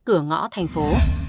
cửa ngõ thành phố